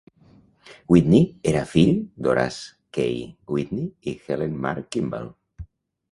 Whitney era fill d'Horace K. Whitney i Helen Mar Kimball.